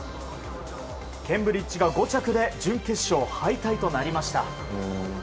ケンブリッジが５着で準決勝敗退となりました。